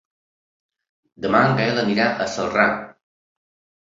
Demà en Gaël anirà a Celrà.